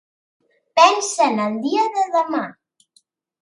Pensa en el dia de demà.